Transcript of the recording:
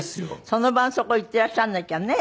その晩そこへ行っていらっしゃらなきゃね。